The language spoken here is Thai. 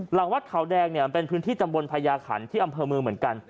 หลังวัดเขาแดงเนี่ยมันเป็นพื้นที่ตำบลพญาขันที่อำเภอเมืองเหมือนกัน